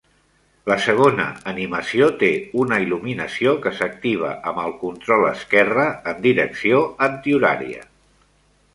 La segona animació té una il·luminació que s"activa amb el control esquerre en direcció antihorària.